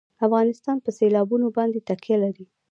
افغانستان په سیلابونه باندې تکیه لري.